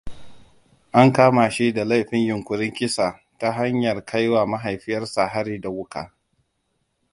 An kama shi da laifin yuƙurin kisa ta hanyar kaiwa mahaifiyarsa hari da wuƙa.